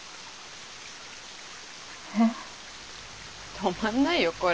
止まんないよこれ。